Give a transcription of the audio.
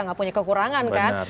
nggak punya kekurangan kan